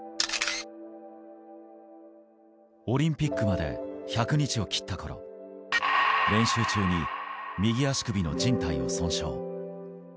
オリンピックまで１００日を切った頃、練習中に右足首の靭帯を損傷。